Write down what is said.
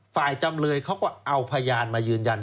จำเลยเขาก็เอาพยานมายืนยัน